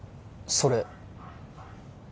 それ。